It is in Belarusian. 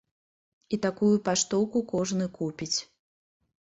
І такую паштоўку кожны купіць.